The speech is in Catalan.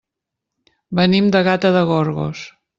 Venim de Gata de Gorgos.